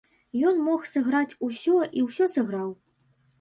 Ён мог сыграць усё, і ўсё сыграў.